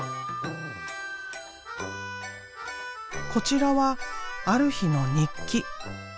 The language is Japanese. こちらはある日の日記。